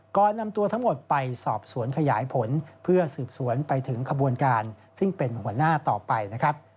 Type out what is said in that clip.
ก่อนนำตัวทั้งหมดไปสอบสวนขยายผลเพื่อสืบสวนไปถึงขบวนการซึ่งเป็นหัวหน้าต่อไปนะครับ